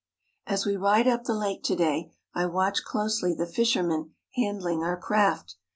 As we ride up the lake to day I watch closely the fishermen handling our craft.